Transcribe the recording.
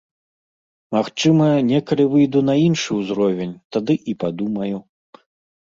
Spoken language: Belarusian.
Магчыма, некалі выйду на іншы ўзровень, тады і падумаю.